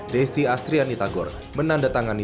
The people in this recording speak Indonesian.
desti astrian itagor menandatangani